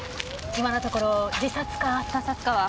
今のところ自殺か他殺かは。